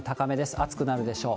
暑くなるでしょう。